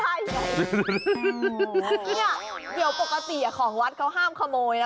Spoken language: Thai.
เนี่ยเดี๋ยวปกติของวัดเขาห้ามขโมยนะ